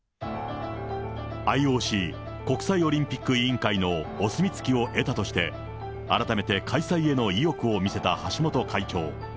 ＩＯＣ・国際オリンピック委員会のお墨付きを得たとして、改めて開催への意欲を見せた橋本会長。